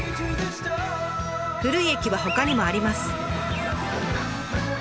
古い駅はほかにもあります。